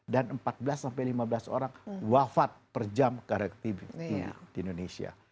dan empat belas lima belas orang wafat per jam karakteristik di indonesia